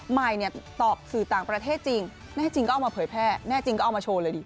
ใหม่เนี่ยตอบสื่อต่างประเทศจริงแน่จริงก็เอามาเผยแพร่แน่จริงก็เอามาโชว์เลยดี